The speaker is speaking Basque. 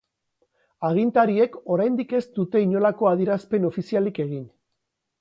Agintariek oraindik ez dute inolako adierazpen ofizialik egin.